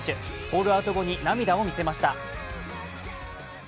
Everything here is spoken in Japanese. ホールアウト後に涙を見せました。